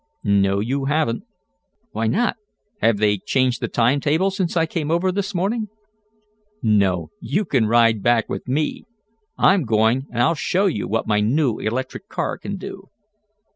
"No you haven't." "Why not? Have they changed the timetable since I came over this morning?" "No, but you can ride back with me. I'm going, and I'll show you what my new electric car can do."